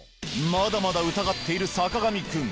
まだまだ疑っている坂上くん。